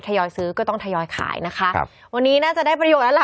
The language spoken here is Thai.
ยอยซื้อก็ต้องทยอยขายนะคะครับวันนี้น่าจะได้ประโยชนแล้วล่ะ